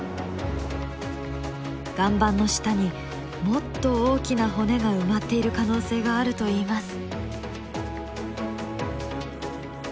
岩盤の下にもっと大きな骨が埋まっている可能性があるといいます。